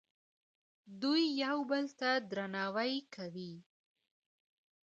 دوی یو بل ته درناوی کوي.